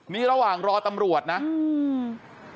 นี่ระหว่างรอตำรวจนะอืม